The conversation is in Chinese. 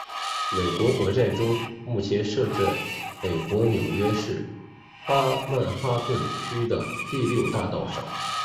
美国国债钟目前设置在美国纽约市曼哈顿区的第六大道上。